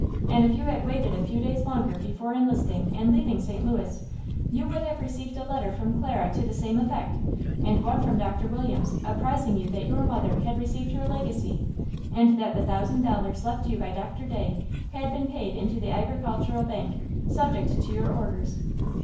And if you had waited a few days longer before enlisting and leaving St. Louis, you would have received a letter from Clara to the same effect, and one from Doctor Williams apprizing you that your mother had received her legacy, and that the thousand dollars left you by Doctor Day had been paid into the Agricultural Bank, subject to your orders."